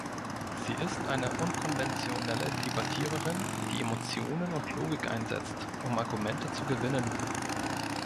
Sie ist eine unkonventionelle Debattiererin, die Emotionen und Logik einsetzt, um Argumente zu gewinnen.